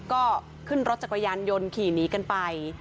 ก็ขึ้นรถจักรยานยนต์ขี่หนีกันไป